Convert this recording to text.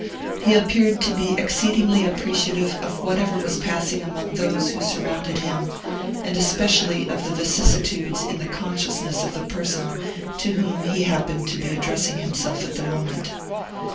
He appeared to be exceedingly appreciative of whatever was passing among those who surrounded him, and especially of the vicissitudes in the consciousness of the person to whom he happened to be addressing himself at the moment.